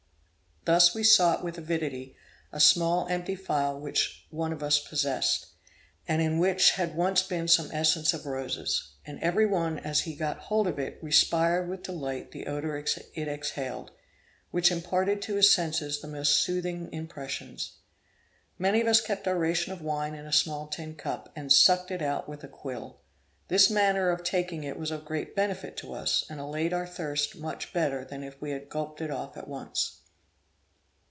Thus we sought with avidity a small empty phial which one of us possessed, and in which had once been some essence of roses; and every one as he got hold of it respired with delight the odor it exhaled, which imparted to his senses the most soothing impressions. Many of us kept our ration of wine in a small tin cup, and sucked it out with a quill. This manner of taking it was of great benefit to us, and allayed our thirst much better than if we had gulped it off at once.